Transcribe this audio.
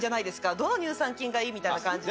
どの乳酸菌がいいみたいな感じで。